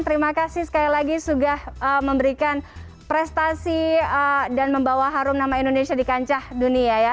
terima kasih sekali lagi sudah memberikan prestasi dan membawa harum nama indonesia di kancah dunia ya